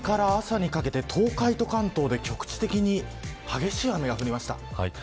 今日の未明から朝にかけて東海と関東で局地的に激しい雨が降りました。